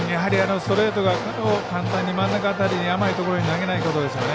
ストレートを簡単に真ん中辺りに甘く投げないことですね。